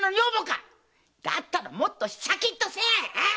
だったらもっとシャキッとせい！